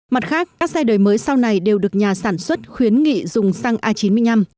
mặt khác các xe đời mới sau này đều được nhà sản xuất khuyến nghị dùng xăng a chín mươi năm